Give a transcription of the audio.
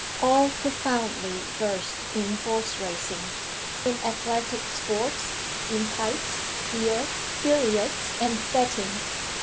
All profoundly versed in horse racing, in athletic sports, in pipes, beer, billiards, and betting.